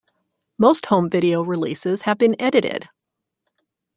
Most home video releases have been edited.